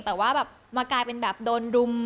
แต่ว่าแบบมากลายเป็นแบบโดนรุม